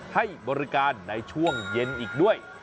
ให้บริการในช่วงเย็นอีกด้วย